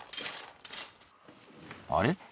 あれ？